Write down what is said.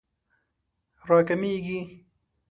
راکمېږي